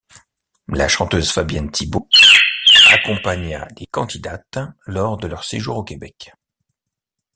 La chanteuse Fabienne Thibeault accompagna les candidates lors de leur séjour au Québec.